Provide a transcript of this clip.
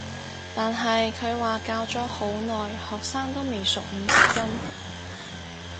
但係佢話教咗好耐學生都未熟五十音